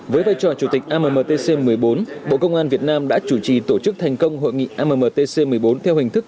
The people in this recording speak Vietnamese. với vai trò chủ tịch ammtc một mươi bốn bộ công an việt nam đã chủ trì tổ chức thành công hội nghị ammtc một mươi bốn